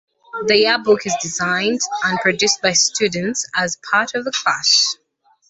The yearbook is designed and produced by students as part of a class.